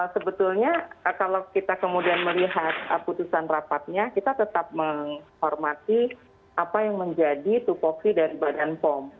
sebetulnya kalau kita kemudian melihat putusan rapatnya kita tetap menghormati apa yang menjadi tupoksi dari badan pom